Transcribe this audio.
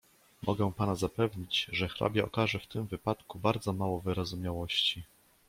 "Mogę pana zapewnić, że hrabia okaże w tym wypadku bardzo mało wyrozumiałości."